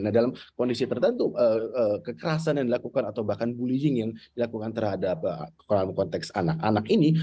nah dalam kondisi tertentu kekerasan yang dilakukan atau bahkan bullying yang dilakukan terhadap konteks anak anak ini